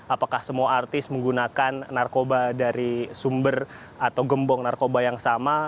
apakah semua artis menggunakan narkoba dari sumber atau gembong narkoba yang sama